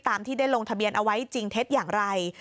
ที่ได้ลงทะเบียนเอาไว้จริงเท็จอย่างไร